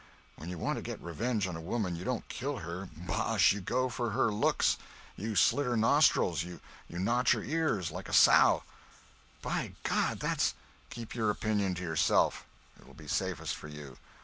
When you want to get revenge on a woman you don't kill her—bosh! you go for her looks. You slit her nostrils—you notch her ears like a sow!" "By God, that's—" "Keep your opinion to yourself! It will be safest for you.